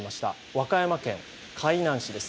和歌山県海南市です。